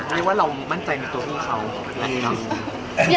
ไม่ว่าเรามั่นใจในตัวพี่เขา